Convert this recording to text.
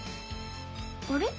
あれ？